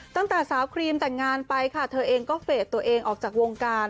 ตั้งแต่สาวครีมแต่งงานไปค่ะเธอเองก็เฟสตัวเองออกจากวงการ